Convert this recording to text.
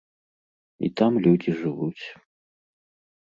І там людзі жывуць.